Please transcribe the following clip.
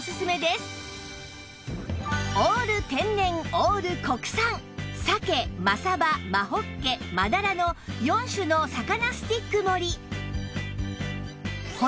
オール天然オール国産鮭真鯖真ほっけ真鱈の４種の魚スティック盛り